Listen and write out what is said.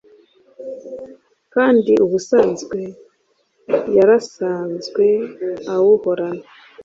kandi ubusanzwe yarasanzwe awuhorana